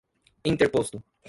interposto